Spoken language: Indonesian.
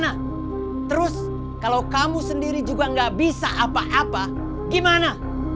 nah terus kalau kamu sendiri juga gak bisa apa apa gimana